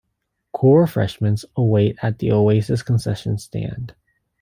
Cool refreshments await at The Oasis concession stand.